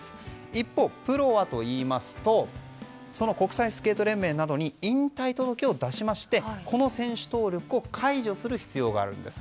一方、プロはといいますとその国際スケート連盟などに引退届を出しましてこの選手登録を解除する必要があるんです。